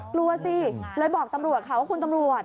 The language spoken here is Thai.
กลัวสิเลยบอกตำรวจค่ะว่าคุณตำรวจ